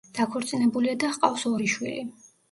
დაქორწინებულია და ჰყავს ორი შვილი.